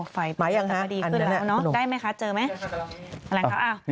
ไฟประเทศก็ดีขึ้นแล้วเนอะใกล้ไหมคะเจอไหมอะไรครับอ้าว